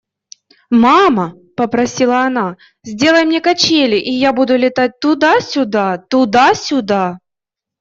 – Мама, – попросила она, – сделай мне качели, и я буду летать туда-сюда, туда-сюда.